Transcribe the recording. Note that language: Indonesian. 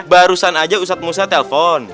barusan aja ustadz musna telpon